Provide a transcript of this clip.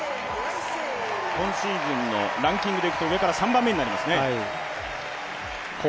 今シーズンのランキングでいくと上から３番目になりますね。